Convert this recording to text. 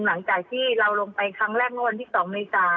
หลังจากที่เราลงไปครั้งแรกมที่๒มีศาสตร์